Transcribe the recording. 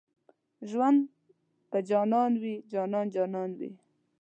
ژوند په جانان وي جانان جانان وي